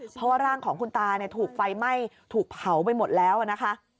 เพราะว่าร่างของคุณตาถูกไฟไหม้ถูกเผาไปหมดแล้วนะคะ